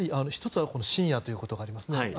１つは深夜ということがありますね。